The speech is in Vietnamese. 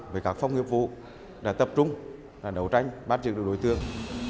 về các phong nghiệp vụ tập trung đấu tranh bắt chừng được đối tượng